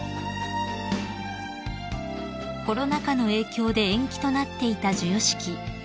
［コロナ禍の影響で延期となっていた授与式］